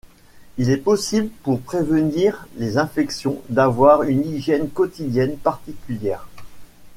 Il est possible pour prévenir les infections d'avoir une hygiène quotidienne particulière.